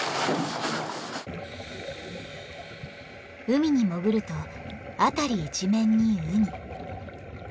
海に潜ると辺り一面にウニ。